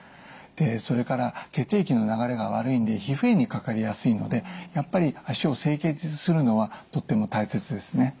それから血液の流れが悪いので皮膚炎にかかりやすいのでやっぱり脚を清潔にするのはとても大切ですね。